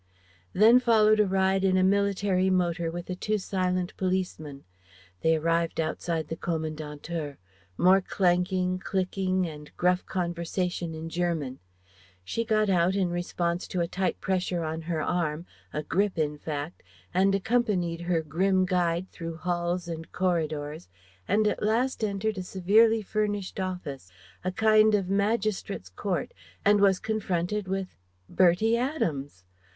Then followed a ride in a military motor, with the two silent policemen. They arrived outside the Kommandantur.... More clanking, clicking, and gruff conversation in German. She got out, in response to a tight pressure on her arm, a grip in fact, and accompanied her grim guide through halls and corridors, and at last entered a severely furnished office, a kind of magistrate's court, and was confronted with Bertie Adams!